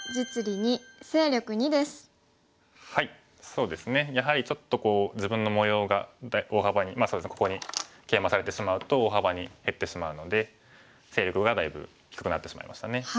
そうですねやはりちょっと自分の模様が大幅にここにケイマされてしまうと大幅に減ってしまうので勢力がだいぶ低くなってしまいましたね。